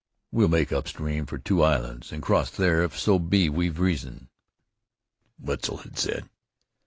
"We'll make up stream fer Two Islands, an' cross there if so be we've reason," Wetzel had said.